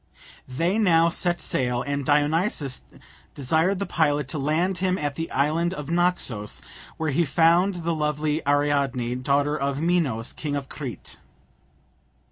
They now set sail, and Dionysus desired the pilot to land him at the island of Naxos, where he found the lovely Ariadne, daughter of Minos, king of Crete.